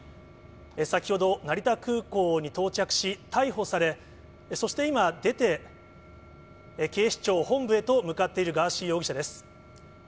先ほど成田空港に到着し、逮捕され、そして今、出て、警視庁本部へと向かっているガーシー容疑者です。